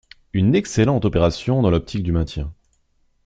Une excellente opération dans l’optique du maintien.